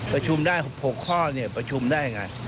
ประชุมได้๖ข้อประชุมได้ไง